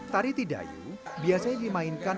tari tidayu biasanya dimainkan